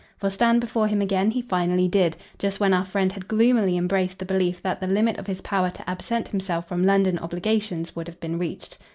For stand before him again he finally did; just when our friend had gloomily embraced the belief that the limit of his power to absent himself from London obligations would have been reached.